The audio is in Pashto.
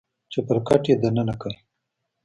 چپرکټ يې دننه کړ.